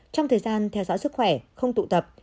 trong thời gian theo dõi sức khỏe không tụ tập